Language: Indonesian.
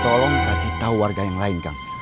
tolong kasih tahu warga yang lain kang